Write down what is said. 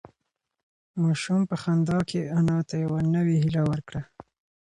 ماشوم په خندا کې انا ته یوه نوې هیله ورکړه.